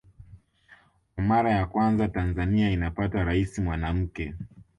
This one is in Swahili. Kwa mara ya kwanza Tanzania inapata Rais mwanamke